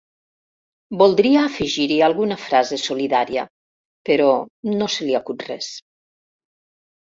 Voldria afegir-hi alguna frase solidària, però no se li acut res.